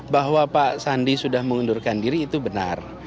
bahwa pak sandi sudah mengundurkan diri itu benar